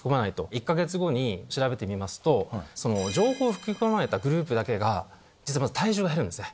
１か月後に調べてみますと情報を吹き込まれたグループだけが実はまず体重が減るんですね。